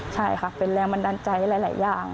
ใช่ค่ะเป็นแรงบันดาลใจหลายอย่าง